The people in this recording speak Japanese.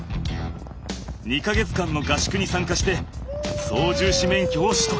２か月間の合宿に参加して操縦士免許を取得。